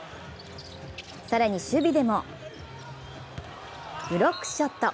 更に、守備でもブロックショット。